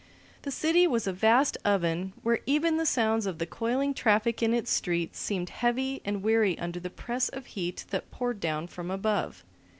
The city was a vast oven where even the sounds of the coiling traffic in its streets seemed heavy and weary under the press of heat that poured down from above.